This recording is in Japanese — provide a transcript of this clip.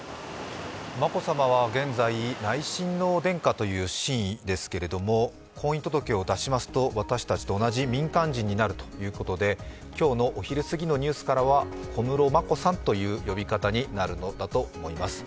眞子さまは現在、内親王殿下ですが婚姻届を出しますと、私たちと同じ民間人になるということで、今日のお昼過ぎのニュースからは、小室眞子さんという呼び方になると思います。